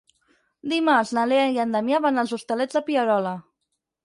Dimarts na Lea i en Damià van als Hostalets de Pierola.